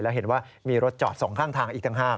แล้วเห็นว่ามีรถจอดสองข้างทางอีกต่างหาก